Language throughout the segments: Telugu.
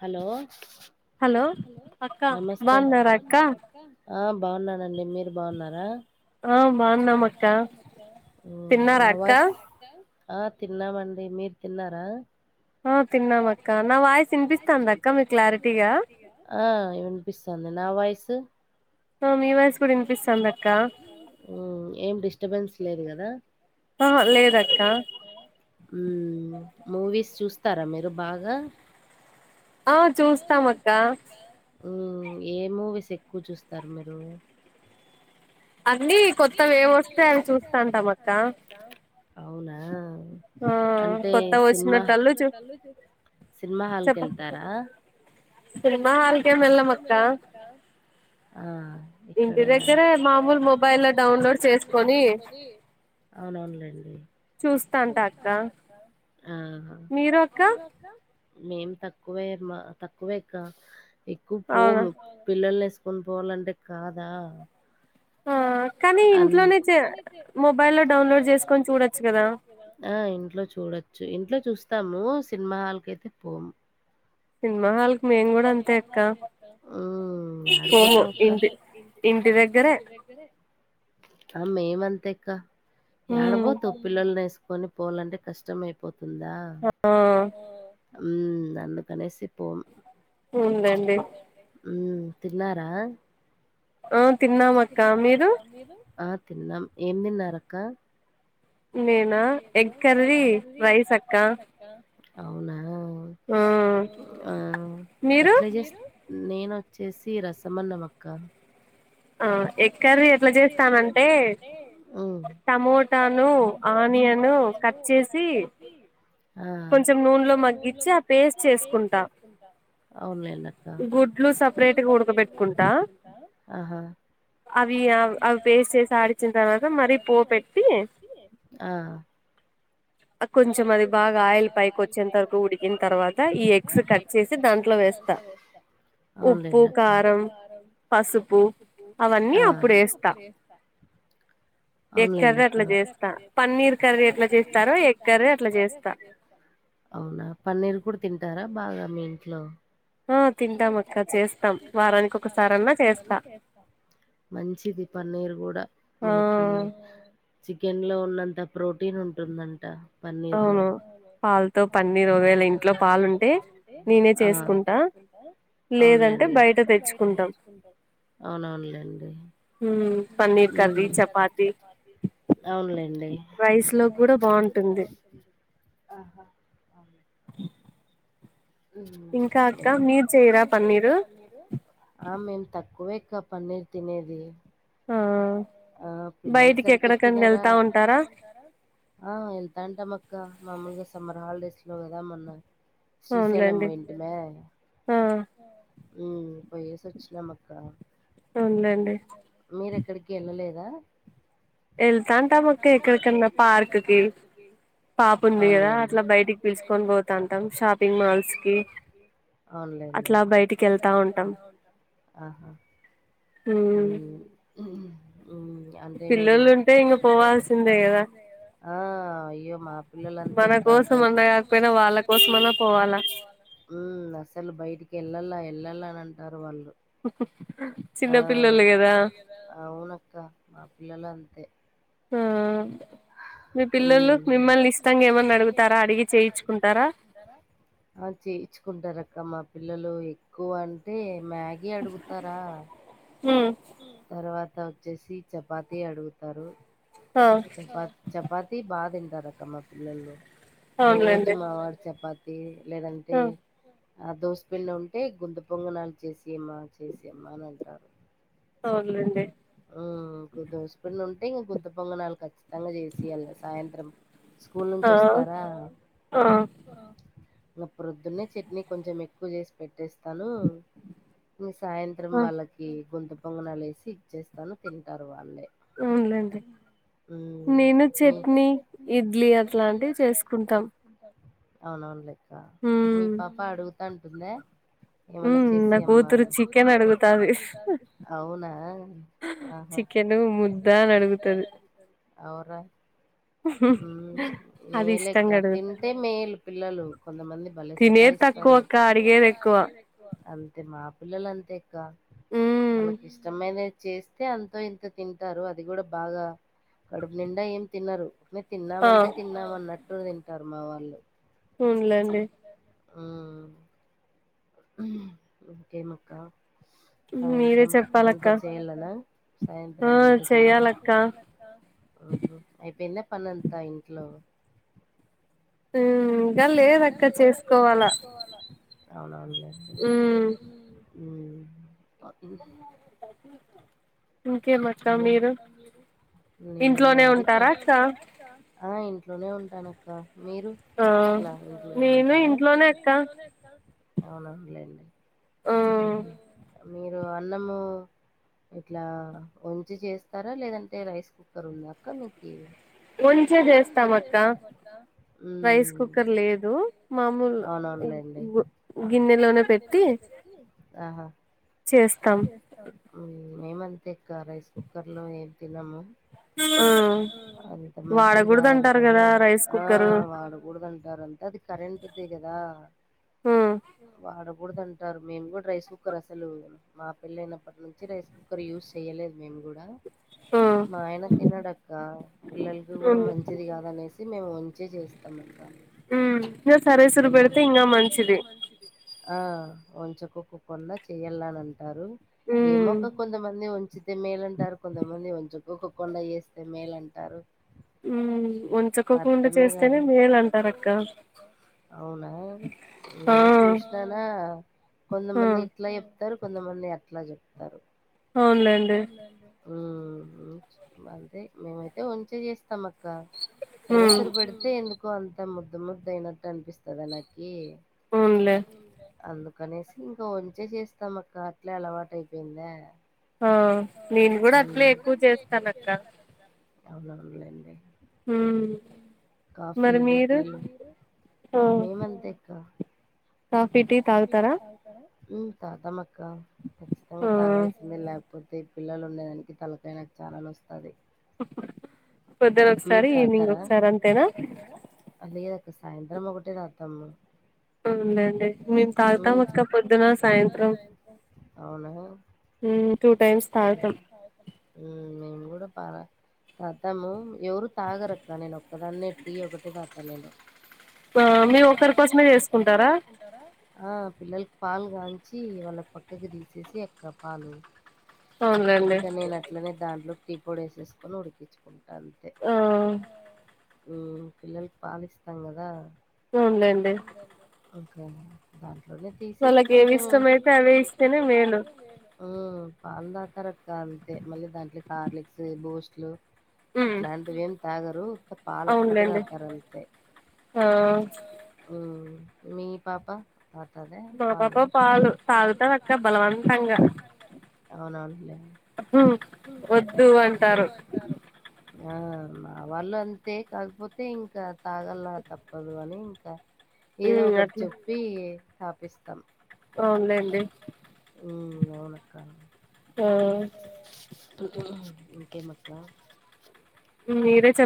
హలో నమస్తే అండి ఆ బాగున్నానండి మీరు బాగున్నారా ఉమ్ నా వాయిస్ ఆ తిన్నామండి మీరు తిన్నారా ఆ తిన్నాం అక్క నా వాయిస్ వినిపిస్తాంద అక్క మీకు క్లారిటీగా ఆ వినిపిస్తుంది నా వాయిసు ఆ మీ వాయిస్ కూడా వినిపిస్తోంది అక్క ఏం డిస్టర్బెన్స్ లేదు కదా ఆహ లేదక్క ఉమ్ మూవీస్ చూస్తారా మీరు బాగా ఆ చూస్తాం అక్క ఉమ్ ఏ మూవీస్ ఎక్కువ చూస్తారు మీరు అన్నీ కొత్తవి ఏమొస్తా అవి చూస్తాంటాం అక్క అవునా అంటే సినిమా సినిమా హాల్ కి వెళ్తారా సినిమా హాల్ కే మెల్ల మక్క ఆ ఇంటి దగ్గరే మామూలు మొబైల్ లొ డౌన్లోడ్ చేసుకొని అవునవునులేండి ఆ మేం తక్కువే మా తక్కువే అక్క, ఎక్కువ పోము పిల్లల్నేస్ కొని పోవాలంటే కాదా అం ఆ ఇంట్లో చూడొచ్చు, ఇంట్లో చూస్తాము. సినిమా హాల్కి అయితే పోము. సినిమా హాల్కి మేము గుడ అంతే అక్క, పోము ఇంటి ఇంటి దగ్గరే మేమంతేక్క, యాడపోతవ్ పిల్లలనేస్ కొని పోవలంటే కష్టం అయిపోతుందా, ఉమ్ అందుకనేసి పోము ఉందండి ఉమ్ తిన్నారా? ఆ ఆ తిన్నాం, ఏం తిన్నారక్క? నేనా ఎగ్ కర్రీ, రైస్ అక్క అవునా ఆ ఎట్లా చేస్ నేనొచ్చేసి రసమన్నం అక్క. ఆ ఎగ్ కర్రీ ఎట్లా చేస్తానంటే, టమోటాను ఆనియను కట్ చేసి కొంచచం నూనెలో మగ్గించి ఆ పేస్ట్ చేసుకుంటా అవున్లేండి అక్క ఆహా అవి అవ్ పేస్ట్ చేసి అడిచ్చిన తర్వాత, మరీ పోప్ పెట్టి ఆ కొంచం అది బాగా ఆయిల్ పైకి వచ్చేంతవరకు ఉడికిన తర్వాత, ఈ ఎగ్స్ కట్ గుడ్లు కట్ చేసి దంట్లో వేస్తా అవునులేండక్క అన్నీ అప్పుడు ఏస్తా ఎగ్ కర్రీ అట్లా చేస్తా, పన్నీర్ కర్రీ ఎట్లా చేస్ ఎట్లా చేస్తారో ఎగ్ కర్రీ అట్లా చేస్తా. అవునా పన్నీరు కుడా తింటారా బాగా మీ ఇంట్లో? ఆ తింటాం అక్క చేస్తాం, వారానికి ఒకసారన్నా చేస్తా. మంచిది పన్నీర్ గుడ మనకి. చికెన్ లో ఉన్నంత ప్రోటీన్ ఉంటుందంట పన్నీర్ లో. ఆ అవునులేండి అవునవునులేండి, ఉమ్ అవునులే డి ఉమ్ మేము ఆ మేము తక్కువేక్క పన్నీర్ తినేది. అవునా పిల్లలు సరిగ్గా తినరా ఆ వెళ్తా ఉంటము అక్క, మామూలుగా సమ్మర్ హాలిడేస్ లో ఏదామన్న శ్రీశైలం పోయింటమే, ఉమ్ పోయేసి ఒచ్చినం అక్క. అవును లేండి మీరెక్కడికి ఎళ్ళలేదా? ఎళ్తాంటం అక్క ఏక్కడికన్నా పార్క్ కి. అవునలేండి. అవున్లేండి అట్లా బయటికి వెళ్తా ఉంటాం ఆహా ఉమ్ ఉహు ఉమ్ అంటే మీరు పిల్లలుంటే ఇంగ పోవాల్సిందే గదా ఆ అయ్యోమా పిల్లలంతే అక్క బయట మనకోసం కాకపోయినా వాళ్ళ కోసమైన పోవాల ఉమ్ అసలు బయటికి ఎళ్ళాల ఎళ్ళాల అని అంటారు వాళ్ళు చిన్న పిల్లల్ గదా అవునక్క మా పిల్లలు అంతే ఉం మి పిల్లలు మిమ్మల్ని ఇష్టంగా ఏమన్న అడుగుతారా అడిగి చేయిచు ఆ చేయిచ్చుకుంటారక్క మా పిల్లలు ఎక్కువ అంటే మ్యా గి అడుగుతారా ఉమ్ తర్వాత వచ్చేసి చపాతి అడుగుతారు ఆ చపాత్ చపాతి బా తింటారు అక్క మా పిల్లల్లొ రోజు మావాడు చపాతి పాతీ లేదంటే అ దోశ పిండి ఉంటే గుంత పొంగనాలు చేసియమ్మా చేసియమ్మా అని అంటారు అవునులెండి ఉమ్ ఇంక దోశపిండి ఉంటే ఇంక గుంత పొంగనాలు కచ్చ చ్చితంగ చేసియళ్ళ సాయంత్రం స్కూల్ నుంచి వస్తారా ఇ ప్రోద్దున్నే చట్నీ కొంచం ఎక్కువ జేస్ పెట్టేస్ స్తాను ఇంగ సాయంత్రం వాళ్ళకి గుంత పొంగనాలు ఎసి ఇచ్చేస్తాను తింటారు వాళ్ళే అవునులేండి ఉమ్ నేను చట్నీ ఇడ్లీ అట్లాంటివి చేస్ అవునవునులే అక్క మీ పాప అడుగుతా అంటుందె ఏమన్నా చేసియమ్మా అవునా ఆహా అవురా ఉమ్ మీ లెక్క తిం టే మేలు పిల్లలు కొంతమంది బలే సతా ఇస్తారు అంతే మా పిల్లలు అంతే అక్క వాళ్ళకి ఇష్టమైనై చెస్ స్తె అంతో ఇంతో తింటారు అది గుడా బాగా కడుపు నిండా ఏం తినరు తిన్నామంటే తిన్నాం అన్నట్టు తింటారు మా వాళ్ళు అవున్లేండి ఉమ్ ఇంకేం అక్క సాయంత్రం వంట చేయలనా సాయంత్రం వంట చేయల్నా ఉహు అయిపోయిందా పనంతా ఇంట్లో ఉమ్ ఇంకా లేదక్క చేసుకోవాలా అవునవునులేండి ఉమ్ మ్ నేను నాది పని ఆ ఇంట్లోనే ఉంటానక్క మీరు ఎట్లా ఇంట్లో నే ఉంటారా అవునవునులేండి అ ఉహు మీరు అన్నము ఇట్లా వంచి చేస్తారా లేదంటే రైస్ కుక్కర్ ఉంద అక్క మీకీ వంచే చేస్తాం అక్క ఉమ్మ్ రైస్ కుక్కర్ లేదు అవునవునులేండి గిన్నెలోనే గిన్నెలోనే పెట్టి ఆహా చేస్తా ఉమ్మ్ మేమంతే అక్క రైస్ కుక్కర్‌లో ఏం తినము ఆ అంత మంచిది కాదంటారా ఆ వాడకూడదు అంటారాంట అది కరెంటుది కదా ఉహ్ వాడకూడదు అంటారు మేము కూడా రైస్ కుక్కర్ అసలు మా పెళ్లి అయినప్పటి నుంచి రైస్ కుక్కర్ యూజ్ చేయలేదు మేము కూడా మా ఆయన తినడు అక్క పిల్లలకి కూడా మంచిది కాదు అనేసి ఇది మేము వంచే చేస్తాం అక్క ఉమ్మ్ ఇంగ సరేసురు పెడితే ఇంకా మంచిది ఆ వంచుకొకోకుండా చేయ్యాల అని అంటారు ఏమో అక్క కొంతమంది వంచి తే మేలంటారు కొంతమంది వంచుకొకోకుండా చేస్తే మేలంటారు అర్థమే కాదు అవునా నేను చూసినానా కొంతమంది ఇట్లా చె ప్తారు కొంతమంది అట్లా చెప్తారు ఉమ్మ్ అంతే మేమైతే వంచే చేస్తాం అ క్క సరేసురు పెడితే ఎందుకో అంతా ముద్దు ము దైనట్టు అనిపిస్తాదా నాకి అవునులే అందుకనేసి ఇంకా ఉంచే చేస్తాం అక్క అట్లే అలవాటు అయిపోయిందా ఆ నేను కూడా అట్లే ఎక్కువ చేస్తాను అక్క అవునవునులేండి ఉమ్మ్ కాఫీలు టీలు మేం అంతే అక్క ఉమ్మ్ తాగుతాం అక్క ఖచ్చితంగా తాగాల్సిందే లేకపో తే పిల్లలు ఉండేదానికి తలకాయ నాకు చానా నొస్తది పొద్దున ఒకసారి ఈవినింగ్ ఒకసారి అంతేనా లేదు అక్క సాయంత్రం ఒకటే తాగుతాం అవును లేండి మేము తాగుతాం అక్క పొద్దున సాయంత్రం అవునా ఉమ్మ్ టూ టైమ్స్ తాగుతాం ఉమ్మ్ మేము కూడా బాగా తాగుతాము ఎవరు తాగారు అక్క నేను ఒ ఒకదాన్నే టీ ఒకటే తాగుతా నేను ఆ మీ ఒక్కరి కోసమే చేసుకుంటారా ఆ పిల్లలకి పాలు కాయించి వాళ్ళకి పక్కకి తీసేసి అక్క పాలు ఇంకా నేను అట్లనే దాంట్లోకి టీ పొడేసేసుకొని ఉడికించుకుంటా అంతే ఉమ్మ్ పిల్లలకి పాలు ఇస్తాం కదా అవునులే ఇంకా దాంట్లోనే తీసేసి కొంచెం ఉమ్ పాలు తాగ్తారుక్క అంతే మళ్ళీ దాంట్లో హార్లిక్స్ బూస్ట్లు ఇట్లాంటివి ఏం తాగరూ ఉత్త పాల్ ఒకటే తాగ్తారు అంతే ఆ ఉమ్ మీ పాప తతదే పాలు అవునన్నులే ఉ ఒద్దు అంటారు టారు ఆ మా వాళ్ళు అంతే కాకపోతే ఇంకా తాగల్ల తప్ప తప్పదు అని ఇంకా ఏదో ఒకటి చెప్పి తాపిస్తాం అవున్లెండి ఉమ్ అవును అక్క అక్క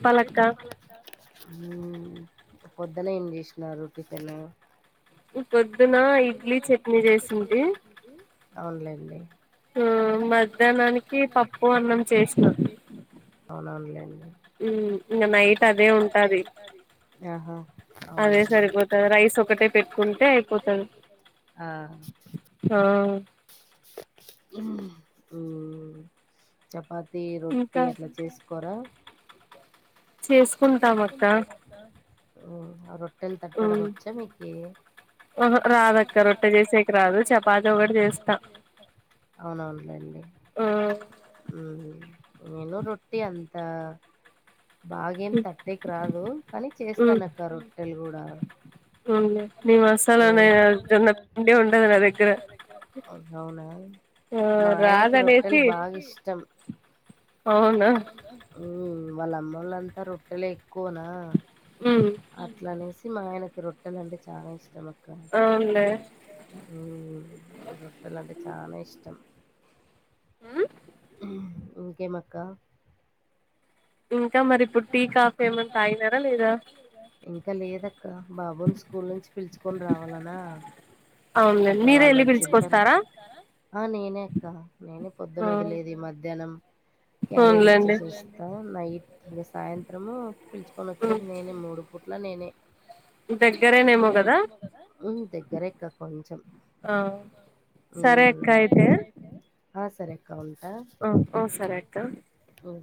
మీరే చెప్పాలి ఉమ్ పొద్దున ఏం జెష్నరు టిఫిను పొద్దున ఇడ్లీ చెట్నీ జెసింది అవ్నులేండి హూ మధ్యనానికి పప్పు అన్నం చేసి అవ్ననులేండి ఉ ఇంగా నైట్ అదే ఉంటది ఆహా అవున్లేండి ఆహ్ ఆహ్ ఉ ఉమ్ చేపాతి రొట్టి అట్లా చేస్కోరా చేస్ హా ఆ రొట్టెలు తట్టడం ఒచ్చా మీకీ ఆహా రాదక్క రొట్టె జెసేకి రాదు చేపాతి ఒకటి జెస్తా అవ్నవ్నులేండి ఉమ్ నేను రొట్టి అంతా బాగేం తట్టేకి రాదు కాని చేస్తానక్క రొట్టెలు గూడా అవున్లే ఉ అవ్నా మా ఆయనకి రిటైల్ బాగిష్టం అవున ఉహ్ వాళ్ళ అమ్మోలంతా రొట్టెలే ఏక్వా హు అట్ల అనేసి మా ఆయనకి రొట్టెలంటే చాలా ఇష్టం అక్క ఉహ్ రొట్టెలంటే చానా ఇష్టం హు ఇంకేమక్క ఇంకా మరి ఇప్పుడు టీ కాఫీ ఏమంన తాగినారా లేదా ఇంకా లేదక్క బాబుని స్కూల్ నుంచి పిల్చుకొని రావాలనా ఇంకా వాళ్ళోచ్చెక్కా ఆ నేనే అక్క నేనే పొద్దునొదిలేది మధ్యానం క్యారెజి ఇచ్చెసి ఒస్తా నైట్ ఇగ సాయంత్రమూ పిల్చుకొనొచ్చేది నేనే మూడు పుట్ పూట్లా నేనే ఉహ్ దగ్గరే అక్క కొంచెం ఆమ్ ఆ సరే అక్క ఉంటా గోమ్